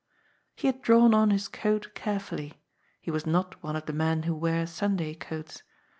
He had drawn on his coat carefully — ^he was not one of the men who wear Sunday coats.